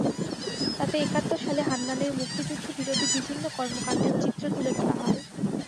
তাতে একাত্তর সালে হান্নানের মুক্তিযুদ্ধবিরোধী বিভিন্ন কর্মকাণ্ডের চিত্র তুলে ধরা হয়।